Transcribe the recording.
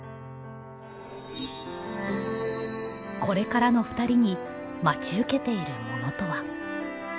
これからのふたりに待ち受けているものとは？